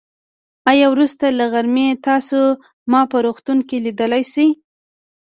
آيا وروسته له غرمې تاسو ما په روغتون کې ليدای شئ.